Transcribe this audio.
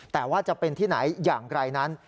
แต่ว่าจะเป็นที่ไหนอย่างไรนั้น